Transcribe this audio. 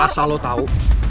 asal lo tau